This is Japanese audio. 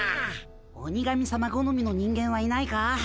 鬼神さまごのみの人間はいないか？